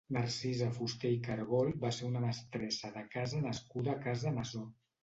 Narcisa Fuster i Cargol va ser una mestressa de casa nascuda a Casa Masó.